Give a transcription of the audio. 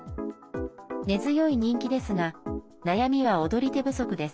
根強い人気ですが悩みは踊り手不足です。